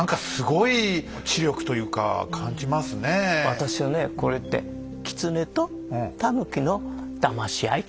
私はねこれってキツネとタヌキのだまし合いと。